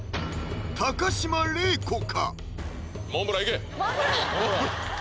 高島礼子か？